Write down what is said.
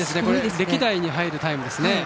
歴代に入るタイムですね。